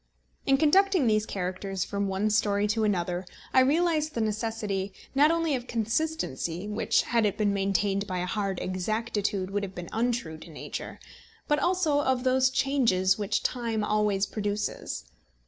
In conducting these characters from one story to another I realised the necessity, not only of consistency, which, had it been maintained by a hard exactitude, would have been untrue to nature, but also of those changes which time always produces.